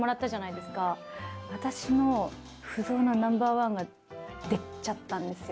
私の不動のナンバー１が出ちゃったんですよ。